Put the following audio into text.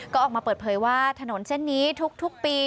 ก็ออกมาเปิดเผยว่าถนนเส้นนี้ทุกปี